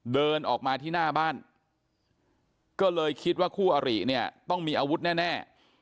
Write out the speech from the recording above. เดินออกมาที่หน้าบ้านก็เลยคิดว่าคู่อริเนี่ยต้องมีอาวุธแน่